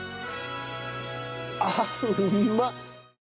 あっうまっ。